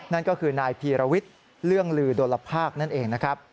นั่นก็คือนายพีรวิทย์เรื่องลือดลภาคนั่นเองนะครับ